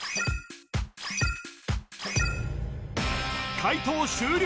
解答終了